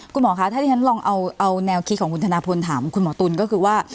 คุณหมอคะถ้าที่ฉันลองเอาแนวคิดของคุณธนพลถามคุณหมอตุ๋นก็คือว่า